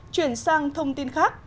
chuyển sang thông tin khác